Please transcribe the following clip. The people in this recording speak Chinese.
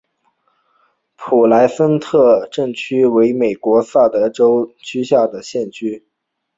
普莱森特镇区为美国堪萨斯州科菲县辖下的镇区。